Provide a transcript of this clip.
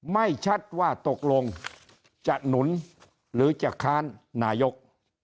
ไม่ชัดว่าตกลงจะหนุนหรือจะค้านนายก